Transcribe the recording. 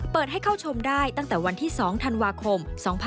เปิดให้เข้าชมได้ตั้งแต่วันที่๒ธันวาคม๒๕๖๒